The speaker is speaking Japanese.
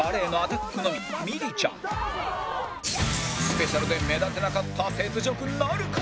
スペシャルで目立てなかった雪辱なるか？